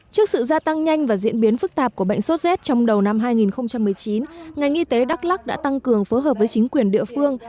trước sự gia tăng nhanh và diễn biến phức tạp của bệnh sốt rét trong đầu năm hai nghìn một mươi chín ngành y tế đắk lắc đã tăng cường phối hợp với chính quyền địa phương